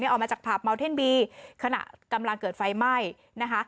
เนี่ยออกมาจากถาบมัลเท่นบีขณะกำลังเกิดไฟไหม้นะฮะ